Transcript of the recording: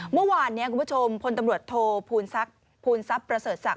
เมื่อวานนี้คุณผู้ชมพลตำรวจโทนภูนทรัพย์ประเสริฐศักด